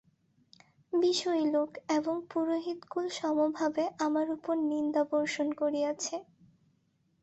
বিষয়ী লোক এবং পুরোহিতকুল সমভাবে আমার উপর নিন্দাবর্ষণ করিয়াছে।